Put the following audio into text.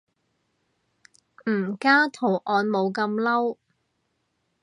唔加圖案冇咁嬲